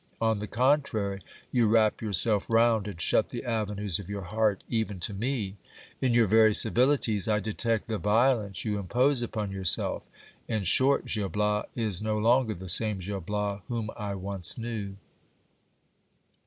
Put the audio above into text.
On the contrary, you wrap yourself round, and shut the avenues of your heart even to me. In your very civilities, I detect the violence you impose upon yourself. In short, Gil Bias is no longer the same Gil Bias whom I once knew.